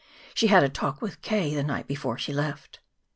She had a talk with K. the night before she left.